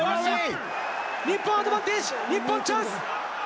日本アドバンテージ、日本チャンス！